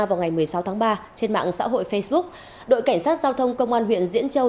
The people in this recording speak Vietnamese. vào ngày một mươi sáu tháng ba trên mạng xã hội facebook đội cảnh sát giao thông công an huyện diễn châu